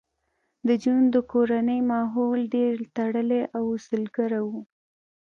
د جون د کورنۍ ماحول ډېر تړلی او اصولګرا و